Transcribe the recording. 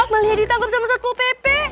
beliau ditangkap sama satpol pp